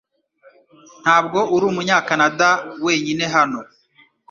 Ntabwo uri Umunyakanada wenyine hano